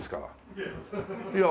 いや。